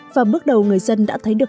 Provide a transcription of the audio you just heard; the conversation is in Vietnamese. và bước đầu người dân đã thấy được